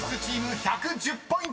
１１０ポイント。